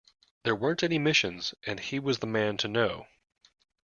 There weren't any missions, and he was the man to know.